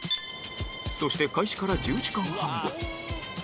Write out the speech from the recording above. そして開始から１０時間半後